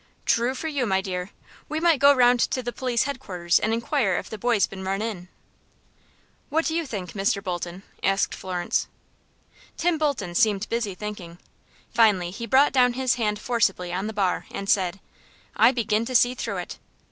"Thrue for you, my dear. We might go round to the police headquarters and inquire if the boy's been run in." "What do you think, Mr. Bolton?" asked Florence. Tim Bolton seemed busy thinking. Finally he brought down his hand forcibly on the bar, and said: "I begin to see through it."